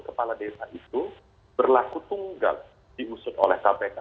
kepala desa itu berlaku tunggal diusut oleh kpk